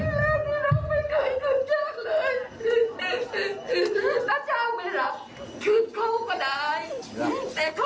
ให้เราทุกคนบอกลูกบอกลาด